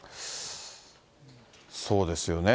そうですよね。